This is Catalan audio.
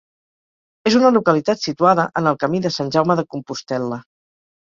És una localitat situada en el camí de Sant Jaume de Compostel·la.